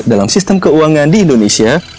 dalam sistem keuangan di indonesia